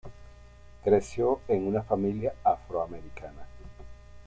Creció en una familia afroamericana.